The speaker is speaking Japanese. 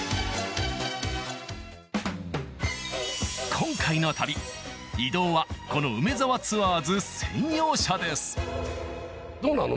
今回の旅移動はこの梅沢ツアーズ専用車ですどうなの？